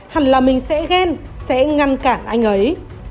hẳn là mình sẽ ghen sẽ ngăn cản anh ấy